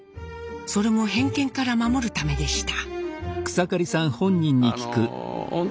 それも偏見から守るためでした。